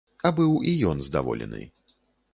А быў і ён здаволены.